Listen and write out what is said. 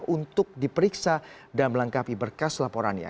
untuk diperiksa dan melengkapi berkas laporannya